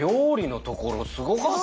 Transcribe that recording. すごかった！